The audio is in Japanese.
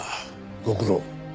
ご苦労。